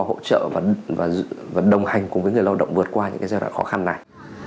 hỗ trợ và đồng hành cùng với người lao động vượt qua những cái giai đoạn khó khăn này